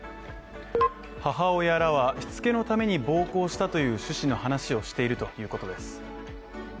母親らはしつけのために暴行したという趣旨の話をしているということです。